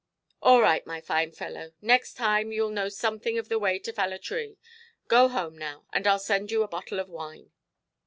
"All right, my fine fellow. Next time youʼll know something of the way to fell a tree. Go home now, and Iʼll send you a bottle of wine".